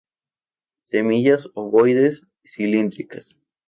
Semillas ovoides, cilíndricas.